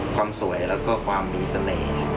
ความสวยแล้วก็ความมีเสน่ห์